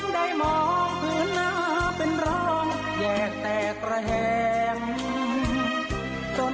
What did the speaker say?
เดือนห้าน้ำกล้าก็แห้งขอดคลอม